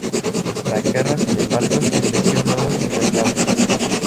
La guerra, sin embargo, estableció nuevas libertades.